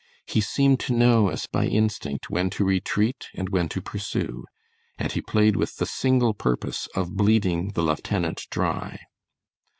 He seemed to know as by instinct when to retreat and when to pursue; and he played with the single purpose of bleeding the lieutenant dry.